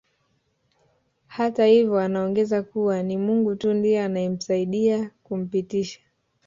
Hata hivyo anaongeza kuwa ni Mungu tu ndiye anayemsaidia kumpitisha